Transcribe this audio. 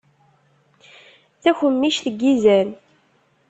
Takemmict n yizan.